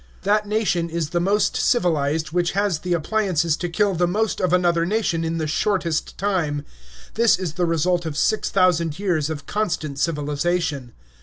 That nation is the most civilized which has the appliances to kill the most of another nation in the shortest time. This is the result of six thousand years of constant civilization.